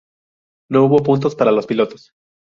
No hubo puntos para los pilotos.